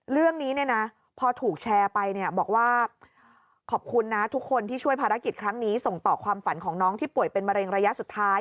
เรื่องนี้เนี่ยนะพอถูกแชร์ไปเนี่ยบอกว่าขอบคุณนะทุกคนที่ช่วยภารกิจครั้งนี้ส่งต่อความฝันของน้องที่ป่วยเป็นมะเร็งระยะสุดท้าย